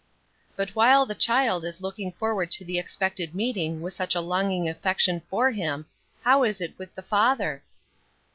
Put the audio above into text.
But while the child is looking forward to the expected meeting with such longing affection for him, how is it with the father?